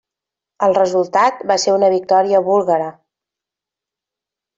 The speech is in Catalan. El resultat va ser una victòria búlgara.